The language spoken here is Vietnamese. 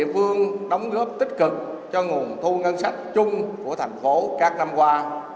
kết cực cho nguồn thu ngân sách chung của thành phố các năm qua